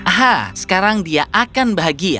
aha sekarang dia akan bahagia